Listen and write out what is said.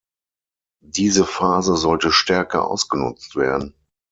Diese Phase sollte stärker ausgenutzt werden.